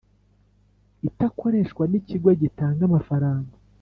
itakoreshwa n’ikigo gitanga amafaranga.